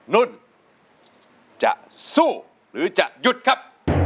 นุ่นจะสู้หรือจะหยุดครับ